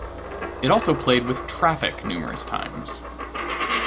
It also played with Traffic numerous times.